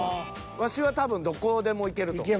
ワシは多分どこでもいけると思う。